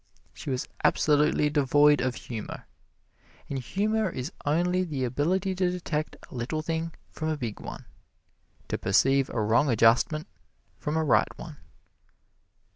She was absolutely devoid of humor, and humor is only the ability to detect a little thing from a big one to perceive a wrong adjustment from a right one.